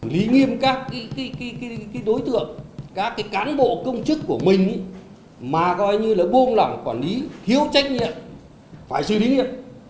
lý nghiêm các đối tượng các cán bộ công chức của mình mà coi như là buông lỏng quản lý thiếu trách nhiệm phải xử lý nghiêm